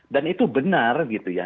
dan itu benar gitu ya